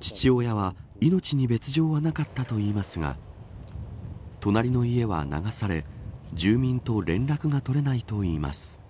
父親は命に別条はなかったといいますが隣の家は流され住民と連絡が取れないといいます。